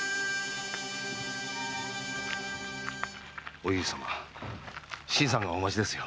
お由利様新さんがお待ちですよ。